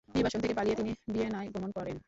নির্বাসন থেকে পালিয়ে তিনি ভিয়েনায় গমন করেন।